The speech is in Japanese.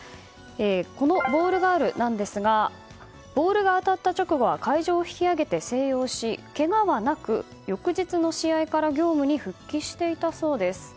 このボールガールなんですがボールが当たった直後は会場を引き揚げて静養しけがはなく、翌日の試合から業務に復帰していたそうです。